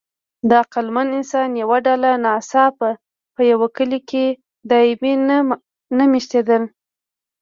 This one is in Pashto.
د عقلمن انسان یوه ډله ناڅاپه په یوه کلي کې دایمي نه مېشتېده.